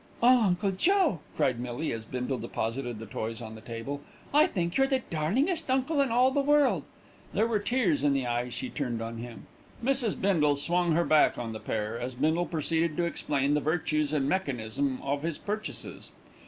"Oh! Uncle Joe," cried Millie, as Bindle deposited the toys on the table. "I think you're the darlingest uncle in all the world." There were tears in the eyes she turned on him. Mrs. Bindle swung her back on the pair, as Bindle proceeded to explain the virtues and mechanism of his purchases.